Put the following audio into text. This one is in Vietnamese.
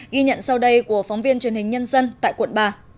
ghi nhận sau đây của phóng viên truyền hình nhân dân tại quận ba